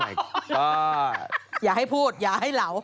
อย่าให้พูดอย่าให้เหลา